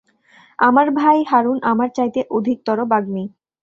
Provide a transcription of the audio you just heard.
আমার ভাই হারুন আমার চাইতে অধিকতর বাগ্মী।